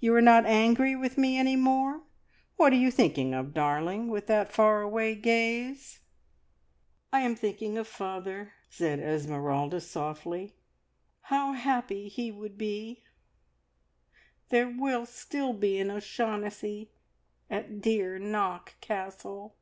You are not angry with me any more? What are you thinking of, darling, with that far away gaze?" "I am thinking of father," said Esmeralda softly. "How happy he would be! There will still be an O'Shaughnessy at dear Knock Castle."